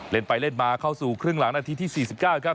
เล่นไปเล่นมาเข้าสู่ครึ่งหลังนาทีที่๔๙ครับ